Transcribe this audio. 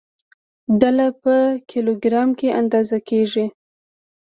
ډله په کیلوګرام کې اندازه کېږي.